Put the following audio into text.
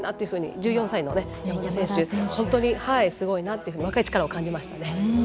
１４歳の山田選手も本当にすごいなって感じました。